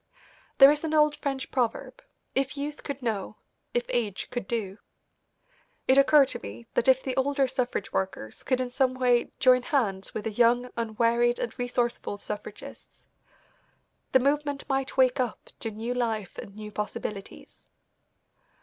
There is an old French proverb, "If youth could know; if age could do." It occurred to me that if the older suffrage workers could in some way join hands with the young, unwearied and resourceful suffragists, the movement might wake up to new life and new possibilities.